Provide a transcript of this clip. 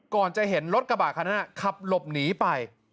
ก่อนจะเห็นรถกระบะคันนั้นขับหลบหนีไป